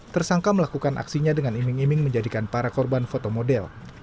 tersangka melakukan aksinya dengan iming iming menjadikan para korban foto model